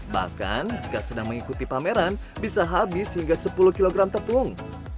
bahkan jika sedang mengikuti pameran bisa habis hingga sepuluh kg tepung